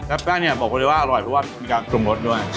แล้วแป้งเนี่ยบอกไว้เลยว่าอร่อยเพราะว่ามีการปรุงรสด้วย